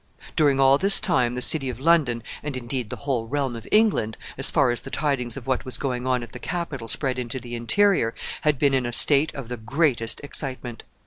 During all this time the city of London, and, indeed, the whole realm of England, as far as the tidings of what was going on at the capital spread into the interior, had been in a state of the greatest excitement.